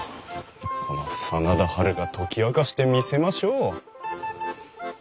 この真田ハルが解き明かしてみせましょう。